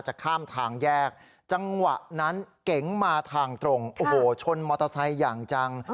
จะข้ามทางแยกจังหวะนั้นเก๋งมาทางตรงโอ้โหชนมอเตอร์ไซค์อย่างจัง